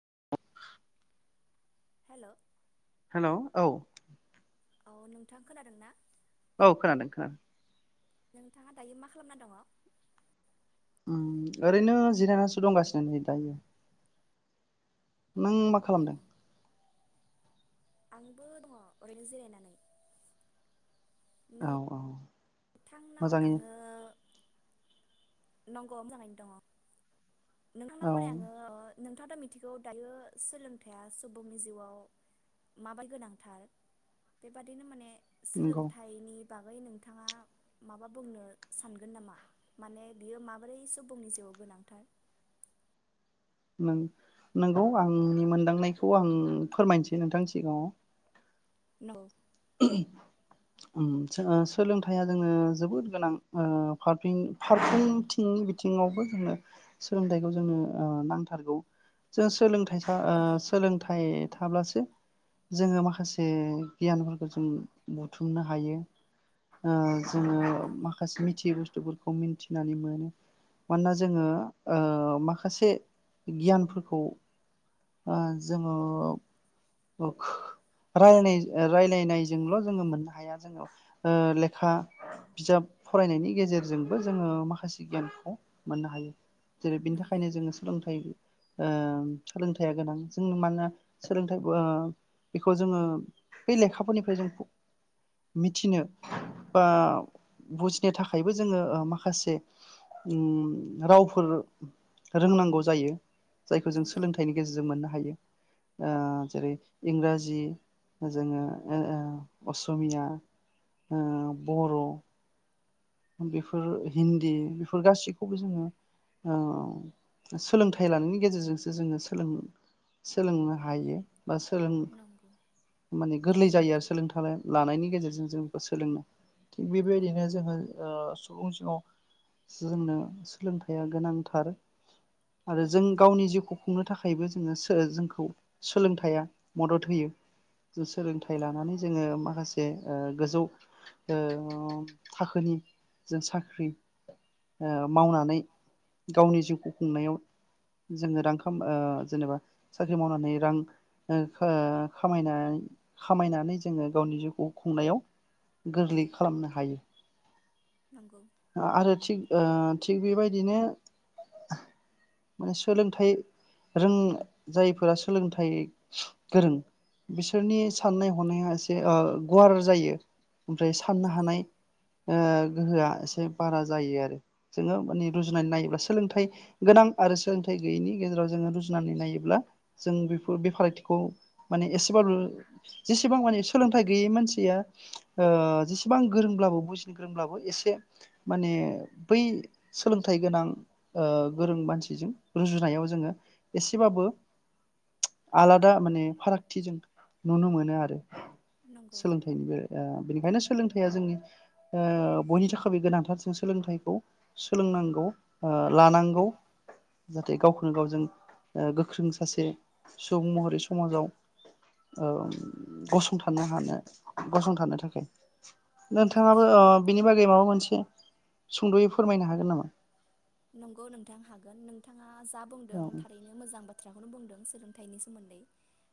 [inaudible] हेल'। हेल' औ। औ नोंथां खोनादों ना? औ खोनादों खोनादों। नोंथाङा दायो मा खालामना दङ? ओरैनो जिरायनासो दंगासिनो नै दायो। नों मा खालामदों। आंबो दङ ओरैनो जिरायनानै। औ औ। नोंथांनाव मोजाङैनो आङो नंगौ मोजाङैनो दङ। नोंथांनाव औ माने आङो नोंथाङा दा मिथिगौ दायो सोलोंथाइया सुबुंनि जिउआव माबोरै गोनांथार। बे बादिनो माने नंगौ सोलोंथाइनि बागै नोंथाङा माबा बुंनो सानगोन नामा? माने बियो माबोरैसो सुबुंनि जिउआव गोनांथार नों-नंगौ आंनि मोनदांनायखौ आं फोरमायनोसै नोंथांनि सिगाङाव [unintelligible] सोलोंथाइया जोङो जोबोद गोनां ओ फारफ्रोमबोथिं बिथिङावबो जोङो सोलोंथाइखौ जोंनो ओ नांथारगौ जों सोलों ओ सोलोंथाइ थाब्लासो जोङो माखासे गियान जों बुथुमनो हायो। ओ जोङो नंगौ माखासे मिथियै बुस्थुफोरखौ मिथि नानै मोनो मानोना जोङो ओ माखासे गियानफोरखौ ओ जोङो रायनाय रायनाय नायजोंल' जोङो मोननो हाया जोङो ओ लेखा बिजाब फरायनायनि गेजेरजोंबो जोङो माखासे गियानखौ मोननो हायो। जेरै बेनि नंगौ थाखायनो जोङो सोलोंथाइ ओ सोलोंथाइया गोनां जोंनो मानोना सोलोंथाइ बेखौ जोङो बेलेग खामानि जों मिथिनो बा बुजिनो थाखायबो जोङो माखासे उम रावफोर रोंनांगौ जायो। जायखौ जों नंगौ सोलोंथाइनि गेजेरजों मोननो हायो। ओ जेरै इंराजि जोङो ओ असमिया ओ बर' बेफोर हिन्दी बेफोर गासैखौबो जोङो ओ सोलोंथाइ लानायनि गेजेरजोंसो जोङो सोलों-सोलोंनो हायो। बा सोलों नंगौ नंगौ माने गोरलै नंगौ जायो आरो सोलोंथाइ लानायनि गेजेरजों जोंखौ सोलोंना, थिग बे बायदिनो जोङो। ओ सुबुं सिङाव जोंनो सोलोंथाइया गोनांथार आरो जों नंगौ गावनि जिउखौ खुंनो थाखायबो जोङो जोंखौ खौ सोलोंथाइया मदद होयो सोलोंथाइ नंगौ लानानै जोङो माखासे जे ओ गोजौ ओ थाखोनि जों साख्रि ओ मावनानै गावनि जिउखौ खुंनायाव जोङो रां ओ [unintelligible] खामा जेनेबा साख्रि मावनानै रां खामायनानै खामायनानै जोङो गावनि जिउखौ खुंनायाव गोरलै खालामनो हायो नंगौ आरो थिग थिग बेबायदिनो माने सोलोंथाइ रों जायफोरा सोलोंथाइ गोरों बिसोरनि साननाय हनाया एसे ओ गुवार जायो ओमफ्राय साननो नंगौ हानाय ओ गोहोआ एसे एसे बारा जायो आरो जोङो माने रुजुनानै नायोब्ला सोलोंथाइ गोनां आरो सोलोंथाइ गैयैनि गेजेराव जोङो रुजुनानै नायोब्ला जों बेफोर बे फारागथिखौ माने एसेबाबो जेसेबां माने सोलोंथाइ गैयै मानसिया ओ जेसेबां गोरोंब्लाबो बुजिनो गोरोंब्लाबो एसे माने बै सोलोंथाइ गोनां ओ गोरों मानसिजों रुजुनायाव जोङो एसेबाबो आलादा माने फारागथि जों नुनो मोनो आरो नंगौ सोलोंथाइनि बे बेनिखायनो सोलोंथाइया जोंनि ओ बयनि थाखाय गोनांथारजों सोलोंथाइखौ सोलोंनांगौ ओ लानांगौ जाहाथे गावखौनो गावजों ओ गोख्रों सासे सुबुं महरै समाजाव ओ गसंथानो हानो गसंथानो थाखाय नंगौ नोंथाङाबो बिनि बागै माबा मोन से सुंद'यै फोरमायनो हागोन नामा नंगौ नोंथां हागोन नोंथाङा जा औ बुंदों थारैनो मोजां बाथ्रा खोथाखौनो बुंदों सोलोंथाइनि सोमोन्दै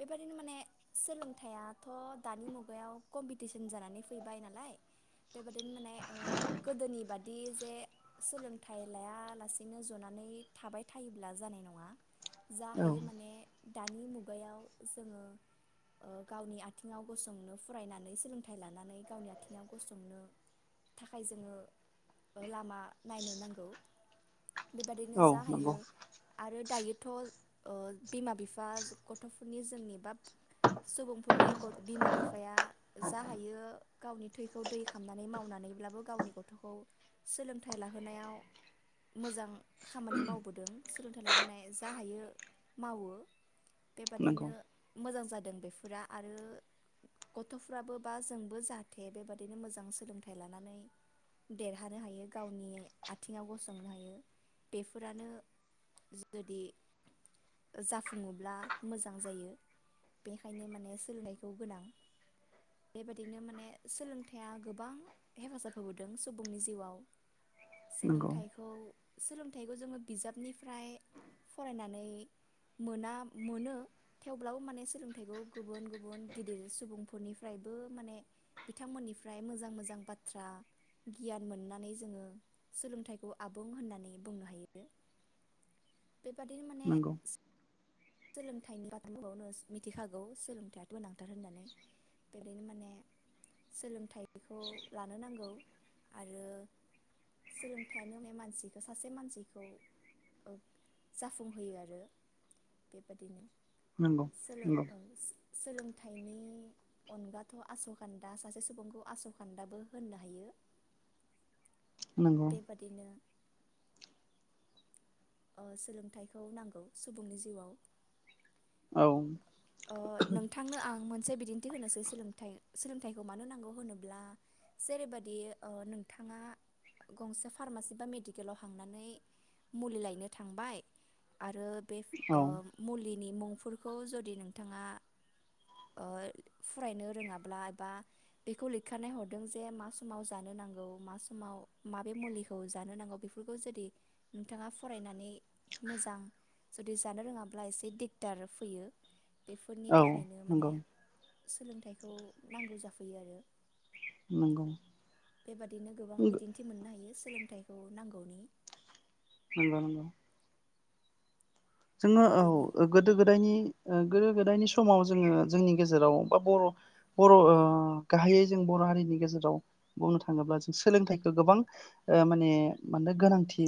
बेबायदिनो माने सोलोंथाइयाथ' दानि मुगायाव कम्पिटिसन जानानै फैबाय नालाय बेबादिनो माने गोदोनि बादि जे सोलोंथाइ लाया लासेनो जनानै थाबाय थायोब्ला जानाय नङा जा औ हायो माने दानि मुगायाव जोङो गावनि आथिङाव गसंनो फरायनानै सोलोंथाइ लानानै गावनि आथिङाव गसंनो थाखाय जोङो लामा नायनो नांगौ बेबादिनो औ जा नंगौ हायो आरो दायोथ' बिमा बिफा गथ'फोरनि जोंनिबा सुबुंफोरनि बिमा बिफाया जा हायो गावनि थैखौ दै खालामनानै मावनानैब्लाबो गावनि गथ'खौ सोलोंथाइ लाहोनायाव मोजां खामानि मावबोदों सोलोंथाइ लानो मोननाय जा हायो मावो नंगौ बेबादिनो मोजां जादों बेफोरा आरो गथ'फ्राबो बा जोंबो जाहाथे बेबादिनो मोजां सोलोंथाइ लानानै देरहानो हायो गावनि आथिङाव गसंनो हायो बेफोरानो जुदि जाफुङोब्ला मोजां जायो बेखायनो माने सोलोंनायखौ गोनां बेबादिनो माने सोलोंथाइया गोबां हेफाजाब होबोदों सुबुंनि जिउआव नंगौ सोलोंथाइखौ सोलोंथाइखौ जोङो बिजाबनिफ्राय फरायनानै मोना मोनो थेवब्लाबो माने सोलोंथाइखौ गुबुन गुबुन गिदिर सुबुंफोरनि फ्रायबो माने बिथांमोननिफ्राय मोजां मोजां बाथ्रा गियान मोननानै जोङो सोलोंथाइखौ आबुं होननानै बुंनो हायो बेबादिनो माने नंगौ सोलोंथाइनि बाथ्राखौनो मिथिखागौ सोलोंथाया' गोनां। गोनांथार होननानै बेबादिनो माने सोलोंथाइखौ लानो नांगौ आरो सोलोंथाइयानो मानसिखौ सासे मानसिखौ जाफुंहोयो आरो। बेबादिनो नंगौ सोलों नंगौ औ सोलों सोलोंथाइनि अनगाथ' आस'खान्दा सासे सुबुंखौ आस'खान्दाबो होननो हायो। नंगौ बेबादिनो सोलोंथाइखौ नांगौ सुबुंनि जिउआव औ नोंथांनो आं मोनसे बिदिनथि होनोसै सोलोंथाइ सोलोंथाइखौ मानो नांगौ होनोब्ला जेरैबायदि नोंथाङा गंसे फार्मासि बा मेडिकेलाव हांनानै मुलि लायनो थांबाय आरो बे औ मुलि नि मुंफोरखौ जुदि नों नोंथाङा फरायनो रोङाब्ला एबा बेखौ लिरखानाय हरदों जे मा समाव जानो नांगौ मा समाव माबे मुलिखौ जानो नांगौ बेफोरखौ जुदि नोंथाङा फरायनानै मोजां जुदि जानो रोङाब्ला एसे दिगदार फैयो। बेफोरनि औ थाखायनो माने नंगौ सोलोंथाइखौ नांगौ जाफैयो आरो नंगौ बेबादिनो गोबां नंगौ बिदिन्थि मोननो हायो। सोलोंथाइखौ नांगौनि नग नग [unintelligible] जोङो बेनो औ गोदो गोदायनि गोदो गोदायनि समाव जोङो जोंनि गेजेराव बा बर' बर' ओ गाहायै जों बर' हारिनि गेजेराव बुंनो थाङोब्ला जों सोलोंथाइखौ गोबां माने मानो गोनांथि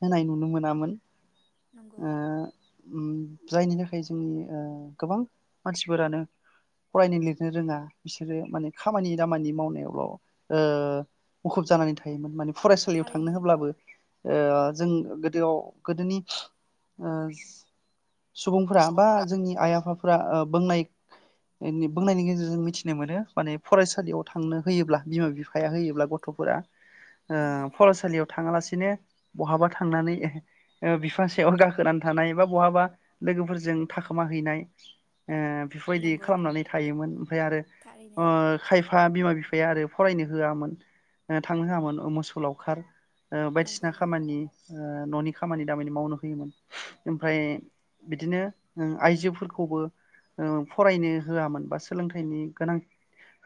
होनाय नुनो मोनामोन। नंगौ। उम जायनि थाखाय जोंनि गोबां मानसिफोरानो फरायनो लिरनो रोङा बिसोरो माने खामानि दामानि मावनायावल' ओ मुखुब जानानै थायोमोन माने फरायसालियाव थांनो थारैनो होब्लाबो ओ‌ जों गोदोआव गोदोनि सुबुंफोरा बा जोंनि आइ आफा' फ्रा ओ बुंनाय बुंनायनि गेजेरजों मिथिनो मोनो माने फरायसालियाव थांनो होयोब्ला बिमा बिफाया होयोब्ला गथ'फोरा। ओ नंगौ फरायसालियाव थाङालासिनो बहाबा थांनानै ओ बिफां सायाव गाखोनानै बा बहाबा लोगोफोरजों थाखोम हैैनाय ओ बेफोरबायदि नंगौ खालामनानै थायोमोन ओमफ्राय आरो थारैनो ओ खायफ बिफा बिमा बिफाया आरो फरायनो होआमोन थांनो होआमोन मोसौलावखार- ओ बायदिसिना नंगौ खामानि ओ न'नि खामानि दामानि मावनो होयोमोन। ओमफ्राय बिदिनो आइजोफोरखौबो फरायनो होआमोन बा सोलोंथाइनि गोनां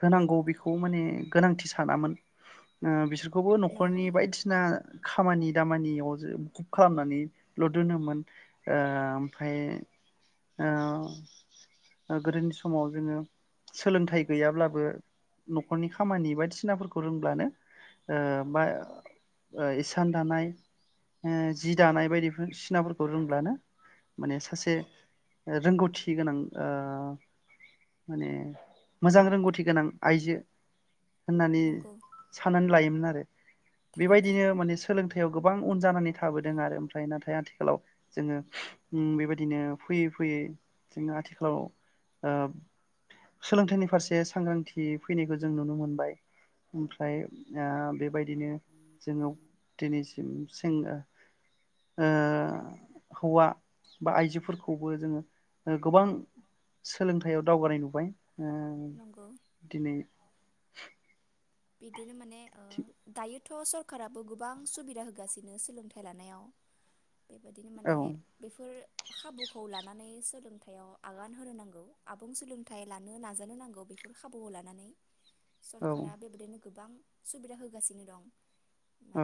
होनांगौ बेखौ माने गोनांथि सानामोन बिसोर। खौबो नंगौ न'खरनि बायदिसिना खामानि दामानियाव ज बुखुब खालामनानै ल दुनोमोन ओ ओमफ्राय ओ गोदोनि समाव जोङो सोलोंथाइ गैयाब्लाबो न'खरनि खामानि बायदिसिनाफोरखौ रोंब्लानो ओ बा ओ इसान दानाय ओ जि दानाय बायदिफोर सिनाफोरखौ रोंब्लानो माने सासे रोंगौथि गोनां ओ माने मोजां रोंगौथि गोनां आइजो होननानै नंगौ साननानै लायोमोन आरो थारैनो बेबायदिनो माने सोलोंथायाइयाव गोब गोबां उन जानानै थाबोदों आरो ओमफ्राय नाथाय आथिख खालाव जोङो उम बेबायदिनो फैयै फैयै जों आथिखालाव ओ सोलोंथाइनि फारसे सांग्रांथि फैनायखौ जों नुनो मोनबाय ओमफ्राय ओ बेबायद दिनो जोंनाव दिनैसिम सेंगा ओ हौवा बा आइजोफोरखौबो जोङो ओ गोबां सोलोंथायाइयाव दावगानाय नुबाय। ओ नंगौ दिनै बिदिनो माने [unintelligible] दायो थ' सरकाबो गुबां सुबिदा होगासिनो सोलोंथायाइ लानायाव। बेबायदिनो औ माने बेफोर खाबुखौ लानानै सोलोंथायाइयाव आगान होनो नांगौ आबुं सोलोंथाइ लानो नाजानो नांगौ बेफोर खाबुखौ लानानै। औ सरखारा गोबां सुबिदा होगासिनो दं।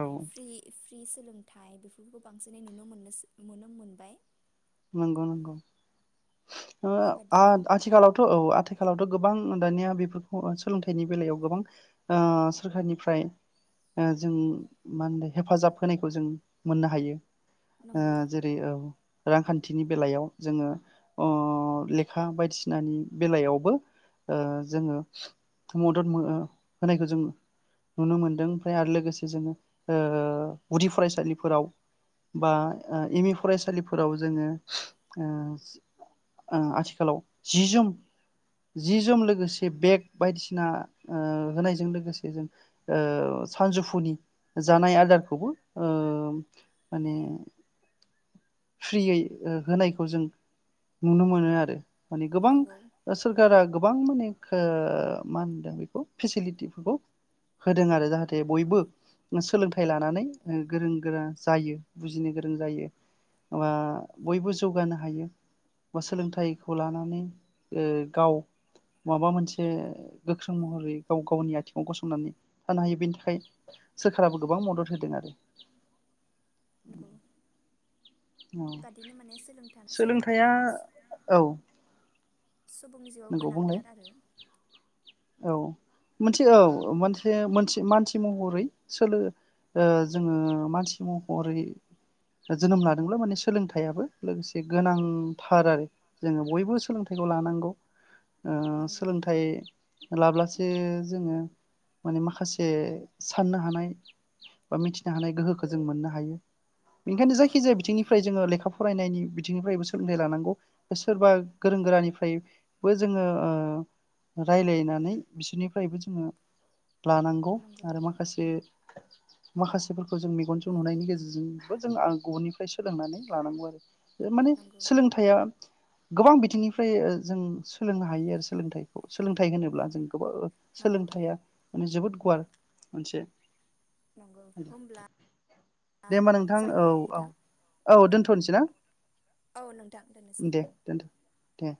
औ फ्रि फ्रि फ्रि सोलोंथाइ बेफोरखौ बांसिनै नुनो मोनसै मोनो मोनबाय नंगौ नंगौ ओ बेबादिनो आ-आथिखालावथ' औ आथिखालावथ' गोबां दानिया बेफोरखौ सोलोंथाइनि बेलायाव गोबां ओ सोरखारनिफ्राय ओ जों मा होनो हेफाजाब होनायखौ जों मोननो हायो। ओ नंगौ जेरै औ रांखान्थिनि बेलायाव जोङो अ लेखा बायदिसिनानि बेलायावबो ओ जोङो मदद मो होनायखौ जों नुनो मोनदों ओमफ्राय आरो लोगोसे जोङो ओ गुदि फरायसालिफोराव बा ओ एम इ फरायसालि फोराव जोङो ओ ओ आथिखालाव जि जोम जि जोम लोगोसे बेग बायदिसिना ओ होनायजों लोगोसे जों ओ सानजौफुनि जानाय आदारखौबो ओ माने फ्रियै ओ होनायखौ जों नुनो मोनो आरो। माने गोबां नंगौ ओ सोरखारा गोबां माने ओ मा होनदों बेखौ फेसिलिटिफोरखौ होदों आरो जाहाथे बयबो ओ सोलोंथाइ लानानै ओ गोरों गोरा जायो बुजिनो गोरों जायो। अआ बयबो जौगानो हायो बा सोलोंथाइखौ लानानै ओ गाव माबा मोनसे गोख्रों महरै गाव गावनि आथिङाव गसंनानै थानो हायो बेनि थाखाय सोरखाराबो गोबां मदद होदों आरो। औ [inaudible] बादिनो मोनो सोलों सोलोंथाइया सोलोंथाया औ सुबुंनि जिउआव नंगौ बुंलाय गोनांथार आरो। औ मोनसे औ मोनसे मोनसे मानसि महरै सोलो ओ जोङो मानसि महरै जोनोम लादोंब्ला माने सोलोंथाइयाबो लोगोसे गोनांथार आरो जोङो बयबो सोलोंथाइखौ लानांगौ। ओ नंगौ सोलोंथाइ लाब्लासो जोङो माने माखासे साननो हानाय बा मिथिनो हानाय गोहोखौ जों मोननो हायो बेनिखायनो नंगौ जायखि जाया बिथिंनिफ्राय जोङो लेखा फरायनायनि बिथिंनिफ्रायबो सोलोंथाइ लानांगौ सोरबा गोरों गोरानिफ्रायबो जोङो ओ रायलायनानै बिसोरनिफ्रायबो जोङो लानांगौ नंगौ आरो माखासे माखासेफोरखौ जों मेगनजों नुनायनि गेजेरजोंबो जों गुबुननिफ्राय सोलोंनानै लानांगौ आरो माने नंगौ सोलोंथाइया गोबां बिथिंनिफ्राय ओ जों सोलोंनो हायो आरो सोलोंथाइखौ सोलोंथाइ होनोब्ला जों नंगौ गोबां नंगौ सोलोंथाइया माने जोबोद गुवार मोनसे नंगौ होमब्ला दे होनबा नोंथां जाबाय औ नामा औ नोंथां औ दोनथ'नोसै ना औ नोंथां दोननोसै दे दोनथ' दे